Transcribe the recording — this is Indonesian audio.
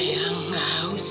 ya enggak haus